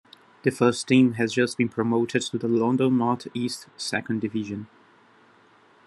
The First Team has just been promoted to the London North East Second Division.